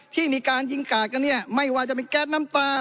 ที่มีการยิงกาดกันเนี่ยไม่ว่าจะเป็นแก๊สน้ำตา